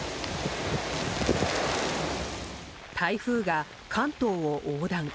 台風が関東を横断。